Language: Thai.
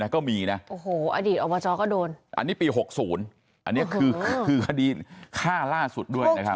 ก็มีนะโอ้โหอดีตอบจก็โดนอันนี้ปี๖๐อันนี้คือคดีฆ่าล่าสุดด้วยนะครับ